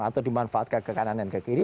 atau dimanfaatkan ke kanan dan ke kiri